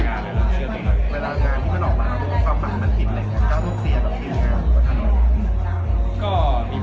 จากท่อนิดนึงต้องก่อน